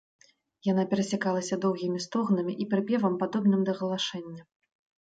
Яна перасякалася доўгімі стогнамі і прыпевам, падобным да галашэння.